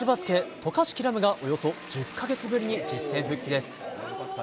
渡嘉敷来夢がおよそ１０か月ぶりに実戦復帰です。